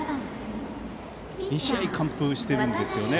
２試合完封してるんですよね。